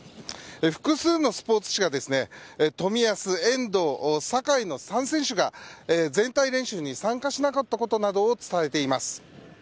複数のスポーツ紙が冨安、遠藤、酒井の３選手が全体練習に参加しなかったことなどを伝えています。